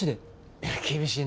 いや厳しいなぁ。